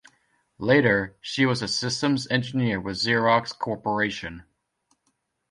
Later, she was a systems engineer with Xerox Corporation.